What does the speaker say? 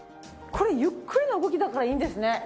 これゆっくりな動きだからいいんですね。